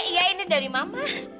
iya ini dari mama